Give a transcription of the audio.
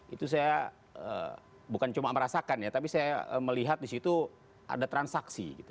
itu saya bukan cuma merasakan ya tapi saya melihat di situ ada transaksi gitu